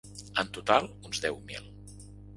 En total, uns deu mil.